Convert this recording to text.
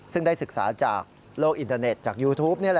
ซึ่งได้ศึกษาจากโลกอินเทอร์เน็ตจากยูทูป